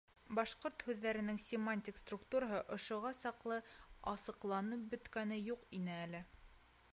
Башҡорт һүҙҙәренең семантик структураһы ошоға саҡлы асыҡланып бөткәне юҡ ине әле.